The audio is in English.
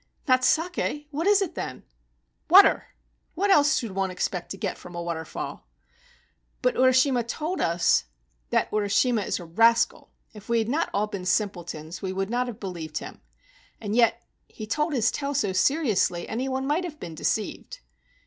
" Not saki! What is it, then ?" "Water ! What else should one expect to get from a waterfall ?" "But Urishima told us —" "That Urishima is a rascal. If we had not all been simpletons we would not have believed him. And yet he told his tale so seriously any one might have been deceived."